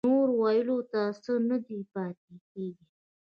نور ويلو ته څه نه پاتې کېږي.